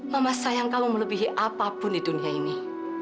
mama sayang kamu melebihi apapun di dunia ini